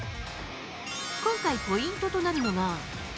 今回、ポイントとなるのが。